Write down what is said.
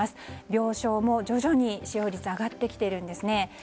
病床も徐々に使用率が上がってきているんです。